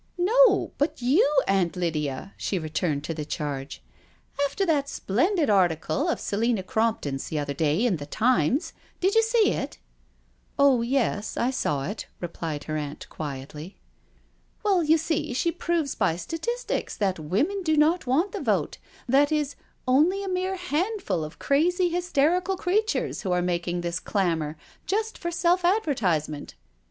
No, but you, Aunt Lydia," she returned to the charge. " And after that splendid article of Selina Crompton's the other day in The Times. Did you see it?*' " Oh yes, I saw it," replied her aunt quietly. " Well, you see she proves by statistics that women do not want the vote— that is, only a mere handful of crazy, hysterical creatures who are making this clamour, just for self advertisement.